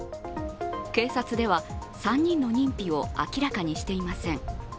警察では３人の認否を明らかにしていません。